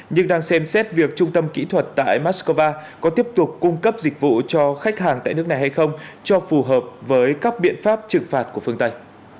nhưng đang xem xét việc trung tâm kỹ thuật tại moscow có tiếp tục cung cấp dịch vụ cho khách hàng tại nước này hay không cho phù hợp với các biện pháp trừng phạt của phương tây